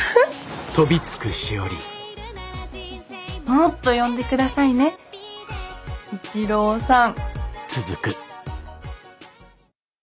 もっと呼んで下さいね一郎さん。